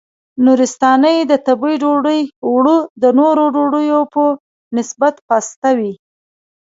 نورستانۍ د تبۍ ډوډۍ اوړه د نورو ډوډیو په نسبت پاسته وي.